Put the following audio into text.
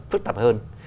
phức tập hơn